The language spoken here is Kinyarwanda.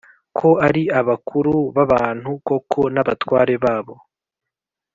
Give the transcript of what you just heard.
Ko ari abakuru b abantu koko n abatware babo